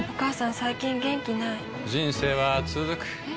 最近元気ない人生はつづくえ？